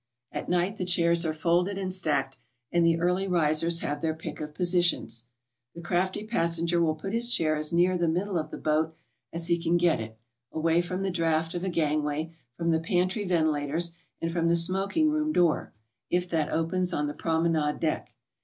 At night the chairs are folded and stacked, and the early risers have their pick of positions. The crafty passenger will put his chair as near the middle of the boat as he can get it, away from the draught of a gangway, from the pantry ventilators, and from the smoking room door, if that opens on the promenade deck.